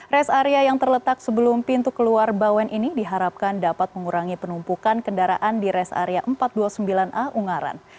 res area yang terletak sebelum pintu keluar bawen ini diharapkan dapat mengurangi penumpukan kendaraan di res area empat ratus dua puluh sembilan a ungaran